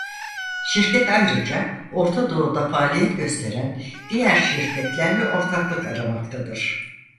Şirket ayrıca Orta Doğu'da faaliyet gösteren diğer şirketlerle ortaklık aramaktadır.